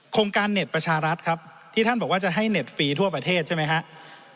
โครงการเน็ตประชารัฐครับที่ท่านบอกว่าจะให้เน็ตฟรีทั่วประเทศใช่ไหมครับ